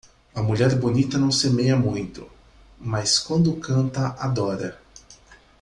A mulher bonita não semeia muito, mas quando canta adora.